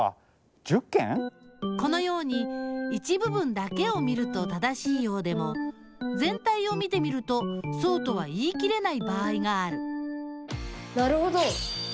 このように一部分だけを見ると正しいようでもぜん体を見てみるとそうとは言い切れない場合があるなるほど！